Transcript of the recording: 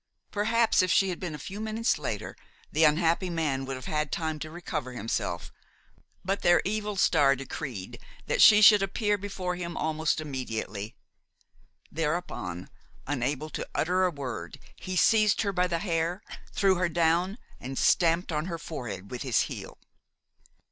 Perhaps, if she had been a few minutes later, the unhappy man would have had time to recover himself; but their evil star decreed that she should appear before him almost immediately. Thereupon, unable to utter a word, he seized her by the hair, threw her down and stamped on her forehead with his heel.